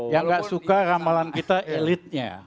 yang gak suka ramalan kita elitnya